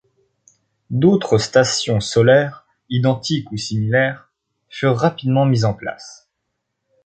D’autres stations solaires, identiques ou similaires, furent rapidement mises en place.